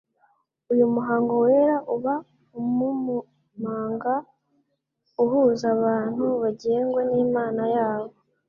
Uyu muhango wera, uba umummga uhuza abantu bagengwa n'Imana yabo.